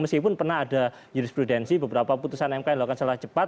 meskipun pernah ada jurisprudensi beberapa putusan mk yang dilakukan secara cepat